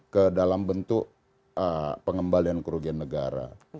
ke dalam bentuk pengembalian kerugian negara